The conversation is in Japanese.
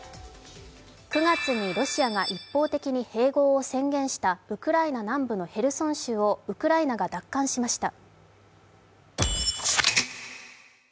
９月にロシアが一方的に併合を宣言したウクライナ南部のヘルソン州をウクライナが奪還しました。